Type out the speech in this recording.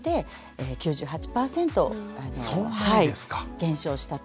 減少したと。